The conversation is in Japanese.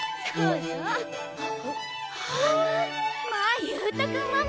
まあ勇太君ママ！